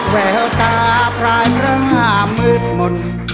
แววตาพลายระมืดหมด